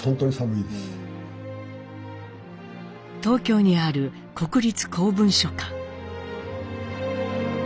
東京にある国立公文書館。